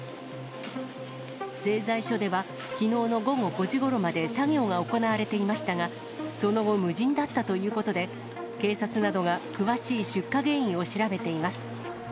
製材所では、きのうの午後５時ごろまで作業が行われていましたが、その後、無人だったということで、警察などが詳しい出火原因を調べています。